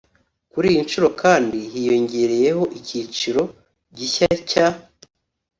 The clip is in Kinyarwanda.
Kuri iyi nshuro kandi hiyongereyemo icyiciro gishya cya